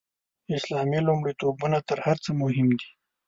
اسلامي لومړیتوبونه تر هر څه مهم دي.